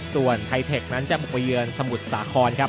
ส่วนไทเทคนั้นจะปกประเยินสมุทรสาของครับ